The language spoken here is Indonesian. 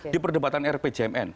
di perdebatan rpjmn